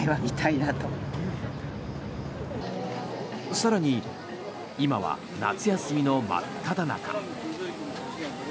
更に、今は夏休みの真っただ中。